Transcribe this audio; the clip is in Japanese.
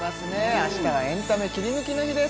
あしたはエンタメキリヌキの日です